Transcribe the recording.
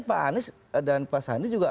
pak anies dan pak sandi juga